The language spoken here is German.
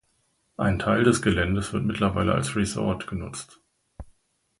Ein Teil des Geländes wird mittlerweile als Resort genutzt.